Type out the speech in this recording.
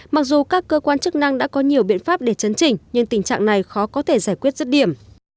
mặc dù các cơ quan chức năng đã có nhiều biện pháp để chấn chỉnh nhưng tình trạng này khó có thể giải quyết rứt điểm